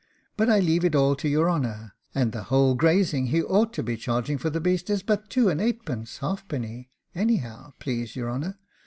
But I leave it all to your honour; and the whole grazing he ought to be charging for the beast is but two and eightpence halfpenny, anyhow, please your honour.